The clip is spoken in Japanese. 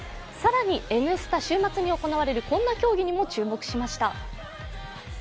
更に「Ｎスタ」週末に行われるこんな競技にも注目しました。